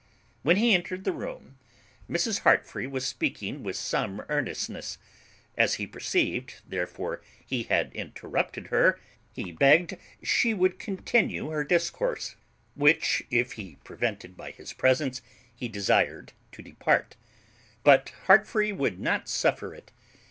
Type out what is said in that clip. When he entered the room Mrs. Heartfree was speaking with some earnestness: as he perceived, therefore, he had interrupted her, he begged she would continue her discourse, which, if he prevented by his presence, he desired to depart; but Heartfree would not suffer it.